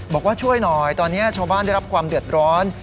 บอกว่าช่วยหน่อยตอนนี้ชาวบ้านได้รับความเดือดร้อน